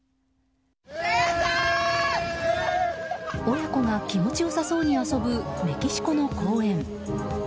親子が気持ち良さそうに遊ぶメキシコの公園。